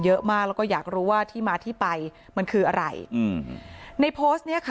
เยอะมากแล้วก็อยากรู้ว่าที่มาที่ไปมันคืออะไรอืมในโพสต์เนี้ยค่ะ